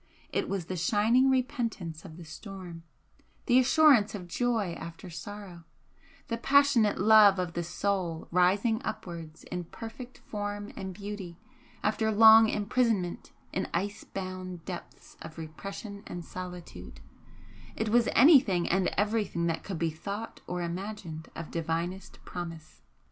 It was the shining repentance of the storm, the assurance of joy after sorrow the passionate love of the soul rising upwards in perfect form and beauty after long imprisonment in ice bound depths of repression and solitude it was anything and everything that could be thought or imagined of divinest promise!